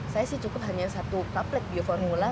saya sih cukup hanya satu kaplet bioformula